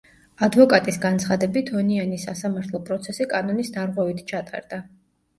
ადვოკატის განცხადებით, ონიანის სასამართლო პროცესი კანონის დარღვევით ჩატარდა.